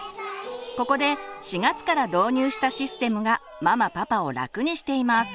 ここで４月から導入したシステムがママパパを楽にしています。